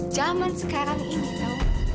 zaman sekarang ini tau